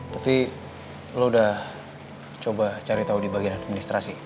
tapi lu udah coba cari tau di bagian administrasi